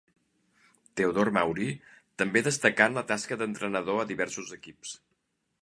Teodor Mauri també destacà en la tasca d'entrenador a diversos equips.